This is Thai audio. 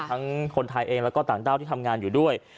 คนไทยเองแล้วก็ต่างด้าวที่ทำงานอยู่ด้วย